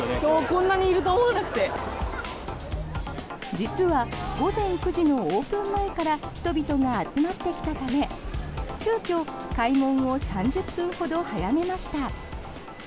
実は午前９時のオープン前から人々が集まってきたため急きょ開門を３０分ほど早めました。